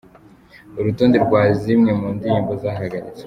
Urutonde rwa zimwe mu ndirimbo zahagaritswe:.